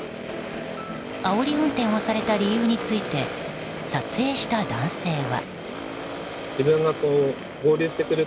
あおり運転をされた理由について撮影した男性は。